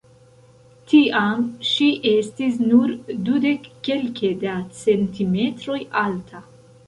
Tiam ŝi estis nur dudek kelke da centimetroj alta.